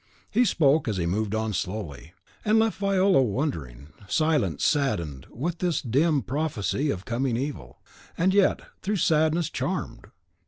As he spoke he moved on slowly, and left Viola wondering, silent, saddened with his dim prophecy of coming evil, and yet, through sadness, charmed.